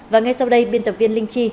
và ngay sau đây biên tập viên linh chi